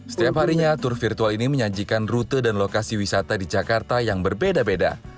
setiap harinya tur virtual ini menyajikan rute dan lokasi wisata di jakarta yang berbeda beda